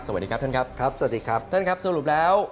สวัสดีครับท่านครับสำหรับดิจารณ์ครับสรุปแล้ว